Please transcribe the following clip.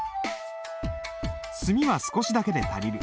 墨は少しだけで足りる。